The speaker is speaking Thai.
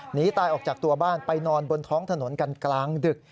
หนีตายออกจากตัวบ้านไปนอนบนท้องถนนกันกลางดึก